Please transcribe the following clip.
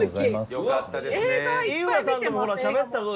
よかったですね。